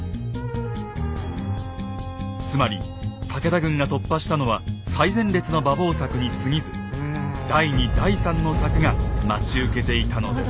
つまり武田軍が突破したのは最前列の馬防柵にすぎず第２第３の柵が待ち受けていたのです。